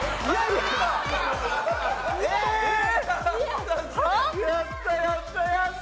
やったやったやった！